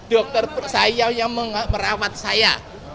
dokter saya yang merawat saya